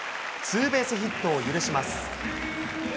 ツーベースヒットを許します。